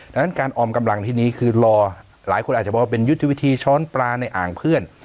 ดังนั้นการออมกำลังที่นี้คือรอหลายคนอาจจะมองว่าเป็นยุทธวิธีช้อนปลาในอ่างเพื่อน